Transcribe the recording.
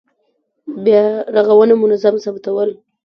بیا رغونه منظم ثبتول.